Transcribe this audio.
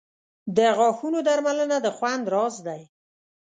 • د غاښونو درملنه د خوند راز دی.